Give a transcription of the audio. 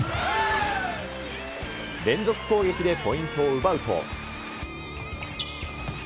連続攻撃でポイントを奪うと。